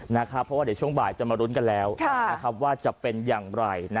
เพราะว่าเดี๋ยวช่วงบ่ายจะมารุ้นกันแล้วว่าจะเป็นอย่างไร